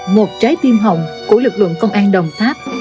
một trái tim hồng của lực lượng công an đồng tháp